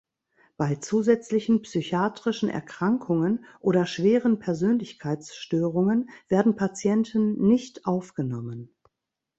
Bei zusätzlichen psychiatrischen Erkrankungen oder schweren Persönlichkeitsstörungen werden Patienten nicht aufgenommen.